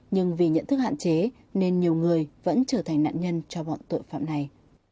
nhưng vì nhận thức hạn chế nên nhiều người vẫn trở thành nạn nhân cho bọn tội phạm này